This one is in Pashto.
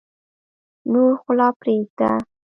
نور خو لا پرېږده.